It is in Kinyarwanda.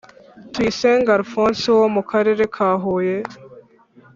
Tuyisenge Alphonse wo mu Akarere ka huye